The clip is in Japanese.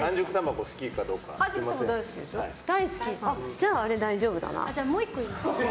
じゃあ、あれ大丈夫だな。